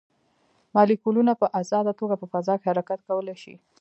مالیکولونه په ازاده توګه په فضا کې حرکت کولی شي.